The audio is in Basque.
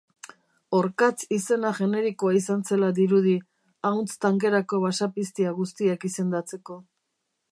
Orkatz izena generikoa izan zela dirudi, ahuntz tankerako basapiztia guztiak izendatzeko.